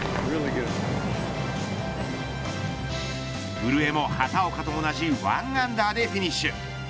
古江も畑岡と同じ１アンダーでフィニッシュ。